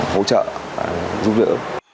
hỗ trợ giúp đỡ